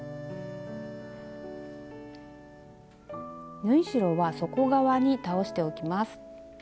縫い代は底側に倒しておきます。